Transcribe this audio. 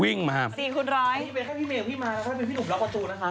วิ่งมาครับ๐๔๑๐๐